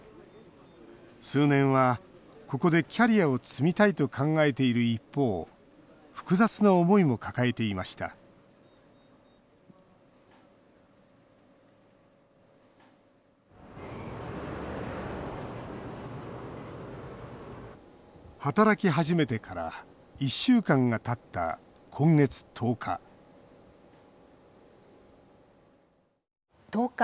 数年はここでキャリアを積みたいと考えている一方複雑な思いも抱えていました働き始めてから１週間がたった今月１０日１０日